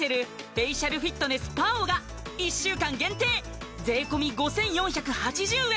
フェイシャルフィットネスＰＡＯが１週間限定税込５４８０円